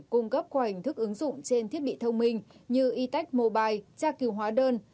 cung cấp qua hình thức ứng dụng trên thiết bị thông minh như e tech mobile tra kiều hóa đơn